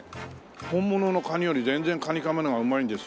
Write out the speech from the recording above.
本物のカニより全然かにかまの方がうまいんですよ。